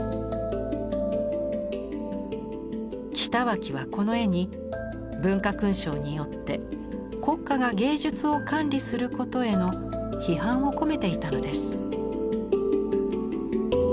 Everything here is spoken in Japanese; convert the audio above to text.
北脇はこの絵に文化勲章によって国家が芸術を管理することへの批判を込めていたのです。